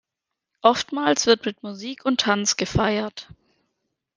Oftmals wird mit Musik und Tanz gefeiert.